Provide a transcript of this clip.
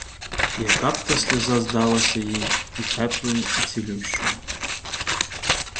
Яка б та сльоза здалася їй і теплою, і цілющою.